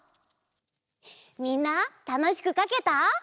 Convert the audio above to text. みんなたのしくかけた？